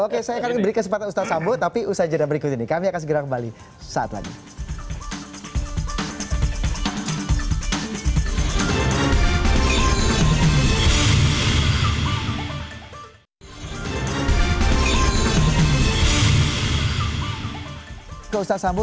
oke saya akan beri kesempatan ustaz sambo